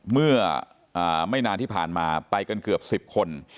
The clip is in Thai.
เมื่อไม่นานที่ผ่านมาไปกันเกือบ๑๐คน